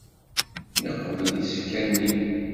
Yeqbel isefka-nni.